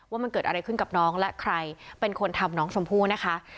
ว่ามันเกิดอะไรขึ้นกับน้องและใครเป็นคนทำน้องชมพู่นะคะ